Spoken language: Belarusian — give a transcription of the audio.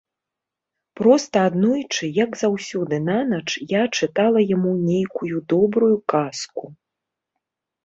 Проста аднойчы, як заўсёды нанач, я чытала яму нейкую добрую казку.